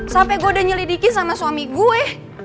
sampai gue udah nyelidiki sama suami gue